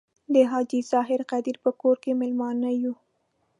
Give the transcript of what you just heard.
د حاجي ظاهر قدیر په کور کې میلمانه یو.